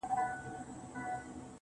ما په سهار لس رکاته کړي وي,